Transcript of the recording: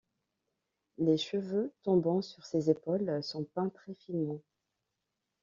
Les cheveux tombant sur ses épaules sont peints très finement.